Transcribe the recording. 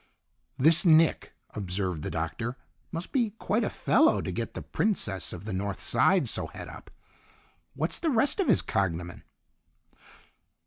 "This Nick," observed the Doctor, "must be quite a fellow to get the princess of the North Side so het up. What's the rest of his cognomen?"